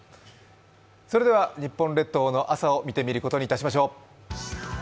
それでは日本列島の朝を見てみることにいたしましょう。